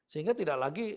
sehingga tidak lagi